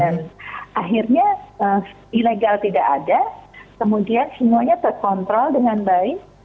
dan akhirnya ilegal tidak ada kemudian semuanya terkontrol dengan baik